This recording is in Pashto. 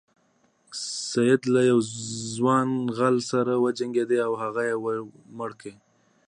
سید له یو ځوان غل سره وجنګیده او هغه یې وواژه.